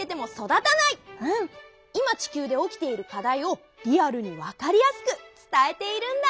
今地球で起きているかだいをリアルに分かりやすくつたえているんだ。